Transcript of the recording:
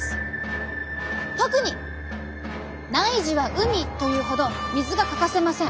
特に内耳は海というほど水が欠かせません。